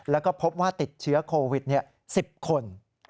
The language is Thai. แล้วก็พบว่าติดเชื้อโควิด๑๐คน